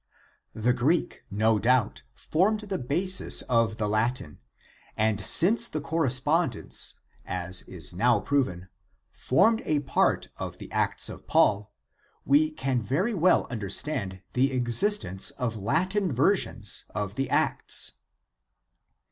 The Greek no doubt formed the basis of the Latin, and since the correspondence as is now proven, formed a part of the Acts of Paul, we can very well understand the existence of Latin versions of the Acts.